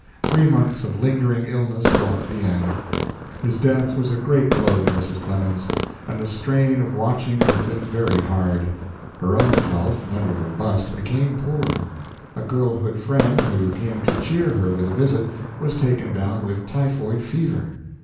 Three months of lingering illness brought the end. His death was a great blow to Mrs. Clemens, and the strain of watching had been very hard. Her own health, never robust, became poor. A girlhood friend, who came to cheer her with a visit, was taken down with typhoid fever.